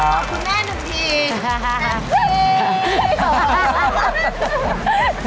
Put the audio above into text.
ขอบคุณแน่นุ่มที